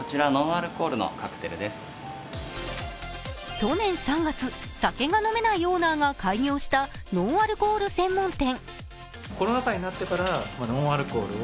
去年３月、酒が飲めないオーナーが開業したノンアルコール専門店。